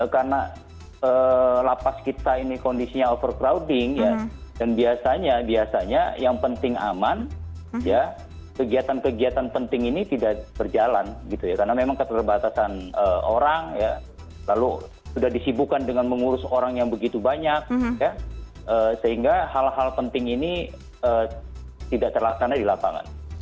karena lapas kita ini kondisinya overcrowding ya dan biasanya biasanya yang penting aman ya kegiatan kegiatan penting ini tidak berjalan gitu ya karena memang keterbatasan orang ya lalu sudah disibukan dengan mengurus orang yang begitu banyak ya sehingga hal hal penting ini tidak terlaksana di lapangan